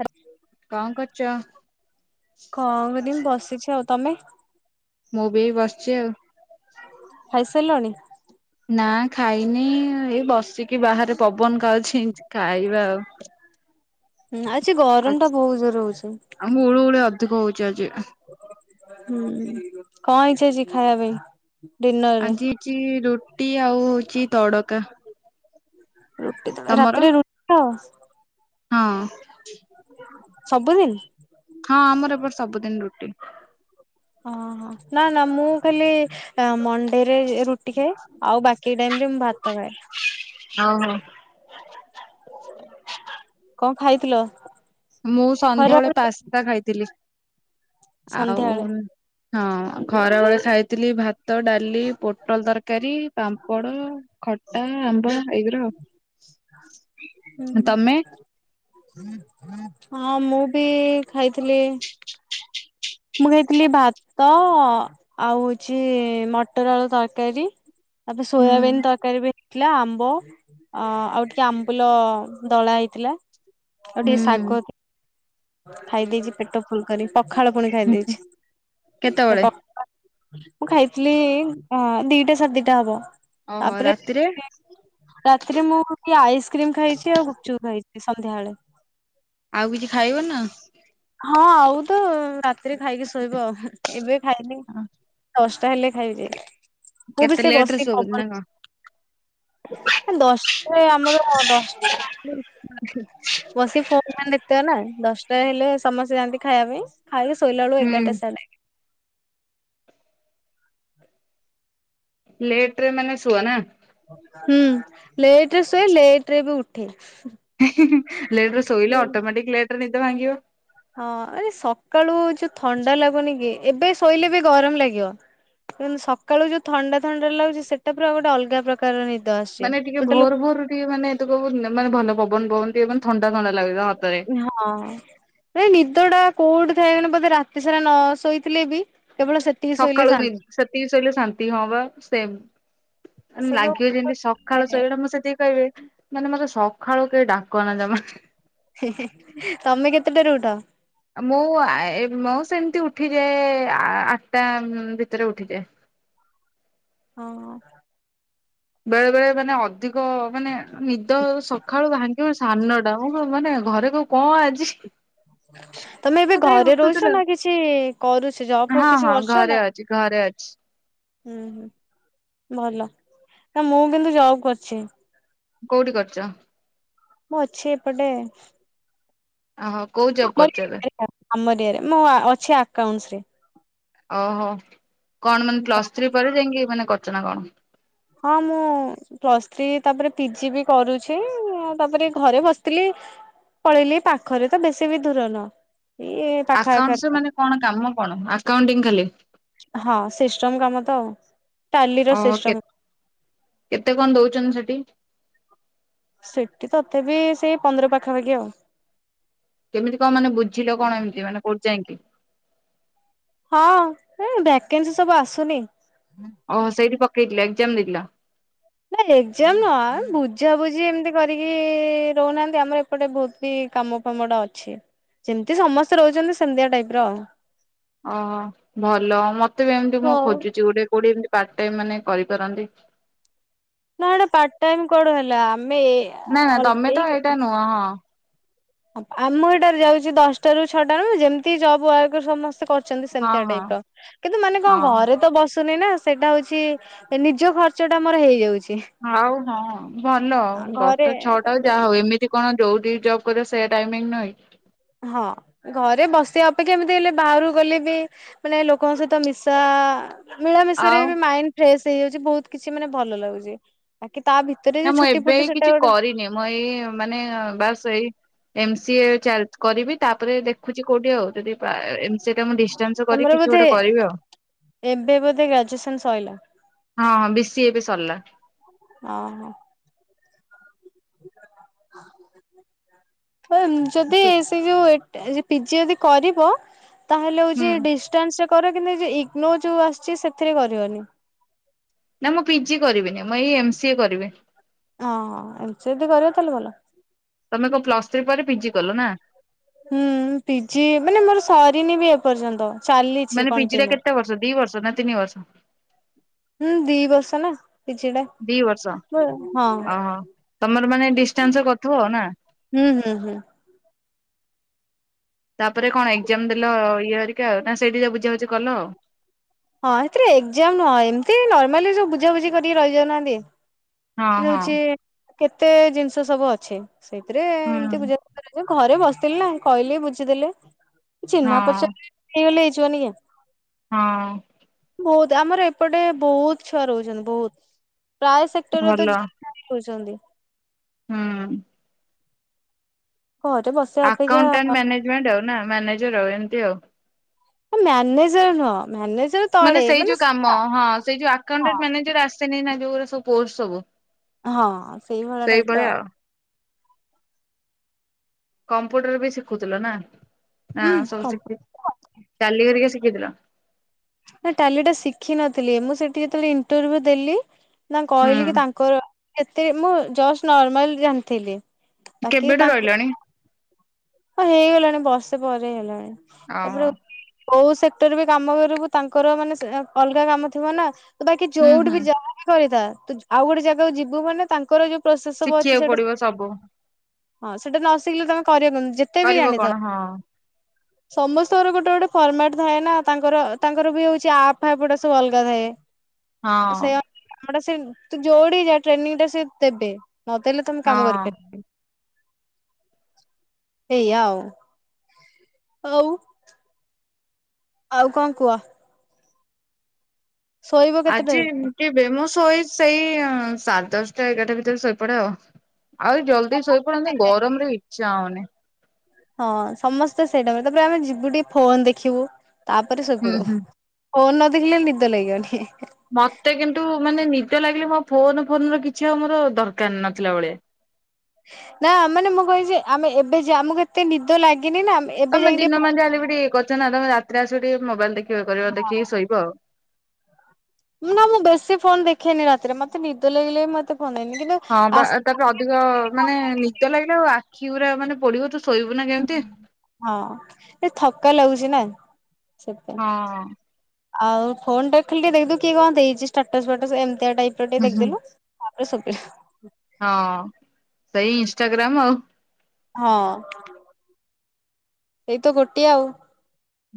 ଆଛ [unintelligible] କଣ କରୁଛ? କଣ କରିଦିି ବସିଛି ଆଉ ତମେ। ମୁଁ ବି ବସିଛି ଆଉ। ଖାଇସାରିଲଣି? ନା ଖାଇନି ଏଇ ବସିକି ବାହାରେ ପବନ ଖାଉଛି ଏ ଖାଇବା ଆଉ। ହୁଁ ଆଛି ଗରମ ଟା ବହୁତ ଜୋର ହହୁଛି। ଆମ ଗୁଳୁ ଗୁଳି ଅଧିକ ହଉଛି ଆଜି। ହଁ କଣ ଇଛା ଅଛି ଖାଇବା ପାଇଁ ଡିନର ରେ ଆଜି ରୁଟି ଆଉ ହଉଛି ତଡକା। ରୁଟି ତ ତମର? ରାତିରେ ରୁଟି ତ ହଁ। ସବୁଦିନ। ହଁ ଆମର ଏବେ ସବୁଦିନ ରୁଟି। ଓହୋ ନା ନା ମୁଁ ଖାଲି ମଣ୍ଡେରେ ରୁଟି ଖାଏ ଆଉ ବାକି ଟାଇମ ରେ ମୁଁ ଭାତ ଖାଏ। ହଉ ହ। କଣ ଖାଇଥିଲ? ମୁଁ ସନ୍ଧ୍ୟାବେେଳେ ଖରାବେଳେ ପାସ୍ତା ଖାଇଥିଲି ଆଉ ସନ୍ଧ୍ୟାବେଳେ ହଁ ଖରା ବେଳେ ଖାଇଥିଲି ଭାତ ଭାତ ଡାଲି ପୋଟଲ ତରକାରୀ ପାମ୍ପଡ଼ ଖଟା ଆମ୍ବ ଏଇଗୁରା ଆଉ। ହୁଁ। ତମେ? ହଁ ମୁଁ ବି ଖାଇଥିଲି ମୁଁ ଖାଇଥିଲି ଭାତ ଆଉ ହଉଛି ମଟର ଆଳୁ ତରକାରୀ ଆପ ହୁଁ ସୋୟବନ୍ ତରକାରୀ ପ ଥିଲା ଆମ୍ବ ଆଉ ଟିକେ ଆମ୍ବୁଲ ଦଳା ହେଇଥିଲା। ଆଉ ଟିକେ ଶାଗ ହୁଁ ଖାଇ ଦେଇେଇଛି ପେଟ ଫୁଲ କରି ପଖାଳ ପୁଣି ଖାଇଦେଇଛି। କେତେବେଳେ? ମୁଁ ଖାଇଥିଲି ଦିଟା ସାଢ଼େ ଦିଟା ହବ ଓହୋ ତାପରେ ରାତିରେ ରାତିରେ ମୁଁ ଟିକେ ଆଇସ୍କ୍ରିମ ଖାଇଛି ଆଉ ଗୁପଚୁ ଖାଇଛି ସନ୍ଧ୍ୟାବେଳେ। ଆଉ କିଛି ଖାଇବ ନା ହଁ ଆଉ ତ ରାତିରେ ଖାଇକି ଶୋଇବ ଆଉ ଏବେ ଖାଇନି ଦଶ ତାହେଲେ ଖାଇଛି ମୁଁ ବି କେତେ ସେ ଲେଟ ରେ ବସିକି ଶୋଇବ ନା ପବନି କଣ? ଦଶ ଆମର ଦଶଟା ଲ [unintelligible] ବସି ଫୋ ମ ଦେତିବ ନା ଦଶଟା ହେଲେ ସମସ୍ତେ ଯାଆନ୍ତି ଖାଇବା ପାଇଁ ଖାଲି ଶୋଇଲା ବଳୁ ହୁଁ ଏଗାରଟା ସଡେ ଲେଟ ରେ ମାନେ ଶୁଅ ନା। ହୁଁ ଲେଟ୍ ରେ ଶୁଏ ଲେଟ୍ ରେ ବି ଉଠେ। ଲେଟ୍ ରେ ଶୋଇଲେ ଅଟୋମେଟିକ୍ ଲେଟ୍ ରେ ନିଦ ଭାଙ୍ଗିବ। ହଁ ସକାଳୁ ଯୋଉ ଥଣ୍ଡା ଲାଗୁନି କି ଏବେ ଶୋଇଲେ ବି ଗରମ ଲାଗିବ। କିନ୍ତୁ ସକାଳୁ ଯୋଉ ଥଣ୍ଡା ଥଣ୍ଡା ଲାଗୁଛି ସେଟା ପୁରା ଅଲଗା ଗୋଟେ ଅଲଗା ପ୍ରକାର। କାରଣ ନିଦଆସୁଛି। ମାନେ ଟିକେ ଭୋର ଭୋରରୁ ଟିକେ ମାନେ ଏ ମାନେ ଭଲ ପବନ ପବନ ଟିକେ ମାନେ ଥଣ୍ଡା ଥଣ୍ଡା ଲାଗୁଛି ସତରେ। ହଁ। ଏଇ ନିଦ ଟା କୋଉଠି ଥାଏ ବୋଧେ ରାତି ସାରା ନ ଶୋଇଥିଲେ ବି କେବଳ ସେ। ସକାଳୁ ନିଦ ସେତିକି ଶୋଇଲେ ଶାନ୍ତି ହଁ ପା ସେମ୍। ଆରେ ଲାଗିବ ଯେମିତି ସକାଳୁ ସେ ଶୋଇବାଟା ମୁଁ ସେତିକି କହିବି। ମାନେ ମତେ ସକାଳୁ କେହି ଡାକନା ଜମା। ତମେ କେତେଟାରୁ ଉଠ। ମୁଁଆ ଏ ମୁଁ ସେମିତି ଉଠିଯାଏ ଆଠଟା ଭିତରେ ଉଠିଯାଏ। ଓହୋ। ବେଳେ ବେଳେ ମାନେ ଅଧିକ ମାନେ ନିଦ ସକାଳୁ ଭାଙ୍ଗି। ସାନଟା ମୁଁ କହେ ମାନେ ଘରେ କୋଉ କଣ ଆଜି। ତମେ ଏବେ ଆଉ କାଇଁ ଘରେ ଉଠୁଥିଲ ରହୁଛ ନା କିଛି କରୁଛ ଜବ୍ ଫବ୍ ହଁ କିଛି ହଁ କରୁଛ ନା। ଘରେ ଅଛି। ହୁଁ ହୁଁ ଭଲ ମୁଁ କିନ୍ତୁ ଜବ୍ କରିଛି। କୋଉଠି କରଛ। ମୁଁ ଅଛି ଏପଟେ। ଓହୋ କୋଉ ଜବ୍ କରୁଛ ଏବେ। ଆମର ଅରିୟା ରେ ମୁଁ ଅଛି ଆକାଉଣ୍ଟ ରେ। ଓହୋ କଣ ମାନେ ପ୍ଲସ୍ ଥ୍ରୀ ପରେ ଯାଇକି ମାନେ କରୁଛନା କଣ। ହଁ ମୁଁ। ପ୍ଲସ୍ ଥ୍ରୀ ତାପରେ ପିଜି ବି କରୁଛି ତାପରେଏ ଘରେ ବସିଥିଲି। ପଳେଇଲିି ଏ ପାଖରେ ତ ବେଶୀ ବି ଦୂର ନୁହଁ ଇଏ। ଆକାଉଣ୍ଟସ୍ ମାନେ କଣ କାମ କଣ ଆକାଣ୍ଟି ଖାଲି। ହଁ ସିଷ୍ଟମ୍ କାମ ତ ଆଉ। ଟାଲିର ଓହୋ ସିଷ୍ଟମ। କେତ୍ କେତେ କଣ ଦଉଛନ୍ତି ସେଠି। ସେଠି ତଥାପି ସେଇ ପନ୍ଦର ପାଖାପାଖି ଆଉ। କେମିତି କଣ ମାନେ ବୁଝିଲ କଣ ଏମତି ମାନେ କୋଉଠିାଇକି। ହଁ ଏ ଭକେନ୍ସି ସବୁ ଆସୁନି। ଓହୋ ସେଇଠି ପକେଇଥିଲ ଏକ୍ଜାମ ଦେଇଥିଲ। ମାନେ ଏକ୍ଜାମ ନୁହେଁ ବୁଝାାବୁଝି ଏମିତି କରିକି ରହୁନାହାନ୍ତି ଆମର ଏ। ପଟେ ବହୁତ ବି କାମ ଫାମଟା ଅଛି [unintelligible] ଯେମିତି ସମସ୍ତେ ରହୁଛନ୍ତି ସେମିତିଆ ଟାଇପ୍ ର। ଓହୋ ଭଲ ମତେ ବି ଏମତି ମୁଁ ହଉ ଖୋଜୁଛି ଗୋଟେ କୋଉଠିଏମିତି ପାର୍ଟ ଟାଇମ୍ ମାନେ କରିପାରନ୍ତି। କଣ ପାର୍ଟ ଟାଇମ୍ କୁଆଡେ ହେଲା ଆମେ। ନା ନା ଅଲ ତମେ ତ ଏଇ ଏଇଟା ନୁହଁ ହଁ। ଆମ ଏଇଟାରେ ଯାଉଛି ଦଶଟାରୁ ଛଅଟାରୁ ଯେମିତି ଜବୁ ୱାର୍କ ସମସ୍ତେ କରୁ। ଚନ୍ତି ହଁ ସେମିତିଆ ହଁ ଟାଇପ୍ ର କିନ୍ତୁ ମାନେ ହଁ କଣ ଘରେ ତ ବସୁନି ନା। ସେଇଟା ହଉଛି ନିଜ ଖର୍ଚ୍ଚ ଟା ମୋର ହେଇଯାଉଛି। ଆଉ ହଁ ଭଲ ଘରେ ଦଶଟାରୁ ଛଅଟା ଆ ତାପରେ ଯାହା ହୋଉ ଏମିତି। କଣ ଯଉଟି ଜବ୍ କରିବ ସେ ଟାଇମିଙ୍ଗ ରହେ। ହଁ ଘରେ ବସିବା ଅପେକ୍ଷା ଏମିତି ହେଲେ ବାହାରୁ ଗଲେ ବି ମାନେ ଲୋକଙ୍କ ସହିତ ମିଶା ମିଳାମିଶାରେ ରେ ଆଉ ଏବେ ମାଇଣ୍ଡ ଫ୍ରେଶ ହେଇଯାଉଛି ବହୁତ କିଛି ମାନେ ଭଲ ଲାଗୁଛି ବାକି ତା ଭିତ ନା ମୁଁ ଏବେ କିଛି କରିନି ମୁଁ ଏଇ ମାନେ ବାସ ଏଇ ଏମ ସି ଏ ଚାଲ କରିବି ତାପରେ ଦେଖୁଛି କୋଉଠି ଆଉ ଯଦି ବାଏ ରେ ସେଇଟା ମୁଁ ଡିଷ୍ଟାନ୍ସ ତମର କରି କିଛି ବୋଧେ ଗୋଟେ କରିବି ଆଉ। ଏବେ ବୋଧେ ଗ୍ରାଜୁଏସନ ସଇଲା ହଁ ହଁ ବି ସି ଏ ବି ସରିଲା ହଁ। [inaudible] ଯଦି ବି ଏ ଯୋଉ ପିଜି ଯଦି କରିବ ତାହେଲେ ହୁଁ। ହଉଛି ଡିଶ ଷ୍ଟାନ୍ସରେ କର କିନ୍ତୁ ଏଇ ଯୋ ଇଗ୍ନୋ ଯୋଉ ଆସିଛି ସେଥିରେ କରିବନି। ନା ମୁଁ ପିଜି କରିବିନି ମୁଁ ଏଇ ଏମସିଏ କରିବି। ହଁ ଏମ ସିଏ ଯଦି କରିବ ତାହେଲେ ଭଲ। ତମେ କଣ ପ୍ଲସ ଥ୍ରୀ ପରେ ପିଜିି କଲ ନା? ହୁଁ ପିଜି ମାନେ ମୋର ସରିନି ବି ଏପର୍ଯ୍ୟନ୍ତ। ଚାଲିଛି ମାନେ ପିଜିଟା କଣ୍ଟିନ୍ୟୁ। କେତେ ବର୍ଷ ଦି ବର୍ଷ ନା ତିନି ବର୍ଷ? ହୁଁ ଦି ବର୍ଷ ନା। ପିଜି ଟା ଦି ବର୍ଷ। ହଁ। ଓହୋ ତମର ମାନେ ଡିଷ୍ଟାନ୍ସ କରୁଥିବ ଆଉ ନା ହୁଁ ହୁଁ ହୁଁ। ତାପରେ କଣ ଏକ୍ଜାମ ଦେଲ ଇଏ ହରିକା ଆଉ ନା ସେଇଠି ସବୁ ବୁଝାବୁଝି କଲ ଆଉ। ହଁ ସେଥିରେ ଏକ୍ଜାମ ନୁହଁ ଏମିତି ନର୍ମାଲି ସବୁ ବୁଝାବୁଝି କରିକି ରହିଯାଉନାହାନ୍ତି। ଆଉ ହଁ ଯଉଛି କେତେ ଜିନିଷ ସବୁ ଅଛେ ସେଇଥିରେ ହଁ ଏମତି ହୁଁ ବୁଝା କରାଯାଉ। ଘରେ ବସିଥିଲି ନା କହିଲି ବୁଝିଦେଲେ ଚିହ୍ନା ହଁ ପଚାର ହେଇଗଲେ ହେଇଯିବନି କି। ହଁ। ବହୁତ ଆମର ଏପଟେ ବହୁତ ଛୁଆ ରହୁଛନ୍ତି ବହୁତ ପ୍ରାୟ ସେକ୍ଟରରେ ଭଲ ତ। କହୁଛନ୍ତି। ହୁଁ। ହଉ ତ ବସ [unintelligible] ଆକାଉଣ୍ଟାଣ୍ଟ ମ୍ୟାନେଜମେଣ୍ଟ ଆଉ ନା ମ୍ୟାନେଜର ଆଉ ଏମିତି ଆଉ। ହଁ ମ୍ୟାନେଜର ନୁହଁ ମ୍ୟାନେଜର। ମାନେ ସେଇ ଯୋଉ କାମ ହଁ ସେ ହଁ ଆକାଉଣ୍ଟଣ୍ଟ ମାନେଜର ଆସେନି ନା ଯୋଉ ଗୁରା ସବୁ ପୋଷ୍ଟ ସବୁ। ହଁ ସେଇଭଳିଆ ଟାଇପର। କମ୍ପ୍ୟୁଟର ବି ଶିଖୁଥିଲ ନା ହୁଁ ସବୁ ଶିଖ କମ୍ପା ଟାଲି ଘରିକା ଶିଖିଥିଲ। ନା ଟାଲି ଟା ଶିଖିିନଥିଲି ମୁଁ ସେଠି ଯେତେବେଳେ ଇଣ୍ଟରଭି୍ୟୁ ଦେଲି ମୁଁ କହିଲି କି ହୁଁ ତାଙ୍କର ଏତେ ଏମିତି ମୁଁ ଜଷ୍ଟ ନର୍ମାଲ ଜାଣିଥିଲି। ବାକି କେବେଠୁ ତାଙ୍କୁ ରହିଲଣି? ହଁ ହେଇଗଲାଣି ବର୍ଷେ ପରେ ହେଲାଣି ଓହୋ ତାପରେ କୋଉ ସେକ୍ଟର ବି କାମ କରିବୁ ତାଙ୍କର ମାନେ ଅଲଗା କାମ ଥିବ ନା। ତ ବାକି ହୁଁ ଯୋଉଠି ହୁଁ ବି ଯାହାବି କରିଥା ତୁ ଆଉ ଗୋଟେ ଜାଗାକୁ ଯିବୁ ମାନେ ତାଙ୍କର ଯୋଉ ପ୍ରୋସେସ ସବୁ ଅଛି ଶିଖିବାକୁ ସେଇଟା। ପଡିବ ସବୁ ହଁ ସେଟା ତ ନ ଶିଖିଲେ ତମେ କରିବନି ଯେତେ ବି କରିବ ଜ୍ଞ୍ୟାନି ଥାଅ। କଣ ହଁ ସମସ୍ତଙ୍କର ଗୋଟେ ଗୋଟେ ଫର୍ମାଟ୍ ଥାଏ ନା ତାଙ୍କର ତାଙ୍କର ବି ହେଉଛି ଆପ୍ ଫାପ୍ ଗୋଟା ସବୁ ଅଲଗା ଥାଏ। ହଁ ସେ ସେ ତୁ ଯୁଆଡେ ଯା ଟ୍ରେନିଂ ଟା ସେ ଦେବେ। ନ ଦେଲେ ତମେ କାମ ହଁ କରିପାରି ଏୟା ଆଉ ହଉ। ଆଉ କଙ୍କ କୁହ? ଶୋଇବ ଆଜି କେତେଟାରେ? ତମେ? ଟିକେ ବେମୋସ ହୋଇ ସେଇ ସାଢ଼େ ଦଶଟା ଏଗାରଟା ଭିତରେ ଶୋଇପଡେ ଆଉ। ଆହୁରି ଜଲ୍ଦି ଶୋଇ ପଡନ୍ତି ଗରମ ରେ ଇଚ୍ଛା ହଉନି। ହଁ ସମସ୍ତେ ସେଇଟା ତାପରେ ଆମେ ଯିବୁ ଟିକେ ଫୋନ ଦେଖିବୁ ତାପରେ ଶୋଇ ହୁଁ ପଡିବୁ। ହୁଁ। ହଉ ନ ଦେଖିଲେ ନିଦ ଲାଗିବନି। ମତେ କିନ୍ତୁ ମାନେ ନିଦ ଲାଗିଲେ ମୋ ଫୋନ ଫୋନର କିଛି ଆଉ ମୋର ଦରକାର ନଥିଲା ଭଳିଆ। ନା ମାନେ ମୁଁ କହିଛେ ଆମେ ଏବେ ଯେ ଆମକୁ ଏତେ ନିଦ ଲାଗିନି ନା। ଆମେ ଏବେ ତମେ ଯାଇକି ଟିକେ ଦିନ ଫୋନ ମାନ ଯାହାହେଲେ ଦେଖିବା। ବି ଟିକେ ଇଏ କରିଛ ନା ତମେ ରାତିରେ ଆସିବ ଟିକେ ମୋବାଇଲ ଦେଖିବ ଇଏ କରିବ ଦେଖିକି ଶୋଇବ ଆଉ। ନା ମୁଁ ବେଶୀ ଫୋନ ଦେଖେନି ରାତିରେ। ମତେ ନିଦ ଲାଗିଲେ ବି ମତେ ଅନେଇନି କିନ୍ତୁ ହଁ ଆ [unintelligible] ଦ ଲାଗିଲା ଆଉ ଆଖି ଗୁରା ମାନେ ପୋଡ଼ିବ ତୁ ଶୋଇବୁ ନା କେମିତି। ହଁ ସେ ଥକା ଲାଗୁଛି ନା ସେଥିପାଇଁ। ହଁ ଆଉ ଫୋନ୍ ଟା ଖାଲିଟିକେ ଦେଖିଦବୁ କିଏ କଣ ଦେଇଚି ଷ୍ଟାଟସ୍ ଫାଟସ୍ ଏମିତି ଟାଇପ୍ ର ଟିକେ ହୁଁ ହୁଁ ଦେଖଦେଲୁ। [unintelligible] ହଁ, ସେଇ ଇନଷ୍ଟାଗ୍ରାମ୍ ଆଉ। ହଁ। ସେଇ ତ ଗୋଟିଏ ଆଉ।